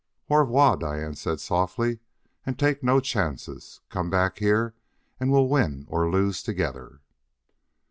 "Au 'voir," Diane said softly; "and take no chances. Come back here and we'll win or lose together."